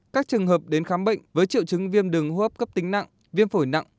các trường hợp đến khám bệnh với triệu chứng viêm đường hô hấp cấp tính nặng viêm phổi nặng